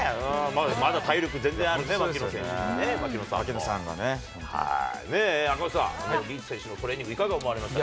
まだ体力全然あるね、槙野さんがね。赤星さん、リーチ選手のトレーニングいかが思われました？